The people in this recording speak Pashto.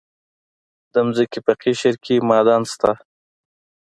د ځمکې په قشر کې معادن شته.